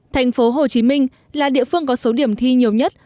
thành phố hồ chí minh là địa phương có số điểm thi nhiều nhất